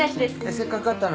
せっかく勝ったのに？